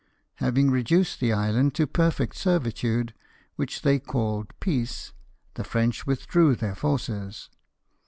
Having reduced the island to perfect servitude, which they called peace, the French withdrew their forces.